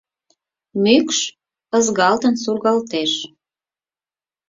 Мӱкш ызгалтын сургалтеш.